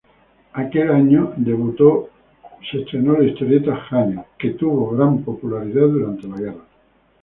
Aquel año debutó la historieta "Jane", la cual tuvo gran popularidad durante la guerra.